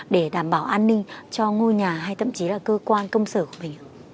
để đảm bảo an ninh cho ngôi nhà hay thậm chí là cơ quan công sở của mình